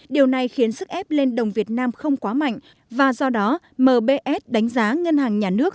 điều này khiến sức ép lên đồng việt nam không quá mạnh và do đó mbs đánh giá ngân hàng nhà nước